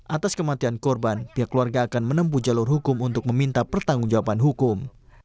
atas kematian korban pihak keluarga akan menempuh jalur hukum untuk meminta pertanggung jawaban hukum